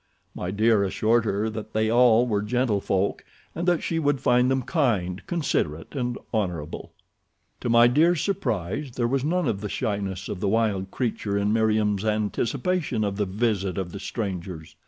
My Dear assured her that they all were gentle folk and that she would find them kind, considerate and honorable. To My Dear's surprise there was none of the shyness of the wild creature in Meriem's anticipation of the visit of strangers.